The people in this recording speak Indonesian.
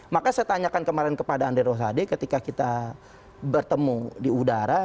maka saya tanyakan kemarin kepada andre rosade ketika kita bertemu di udara